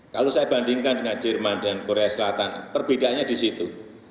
kalau saya bandingkan dengan jerman dan korea selatan perbedaannya di situ